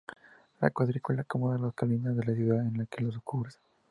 La cuadrícula acomoda las colinas de la ciudad en la que los cruza.